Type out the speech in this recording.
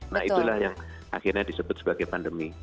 nah itulah yang akhirnya disebut sebagai pandemi